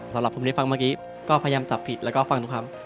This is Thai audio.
สำหรับผมได้ฟังเมื่อกี้ก็พยายามจับผิดแล้วก็ฟังทุกคำ